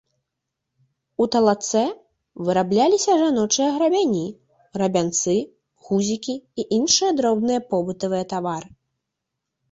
У талацэ вырабляліся жаночыя грабяні, грабянцы, гузікі і іншыя дробныя побытавыя тавары.